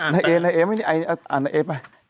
นายเอเป็นไงอ่านนายเอไป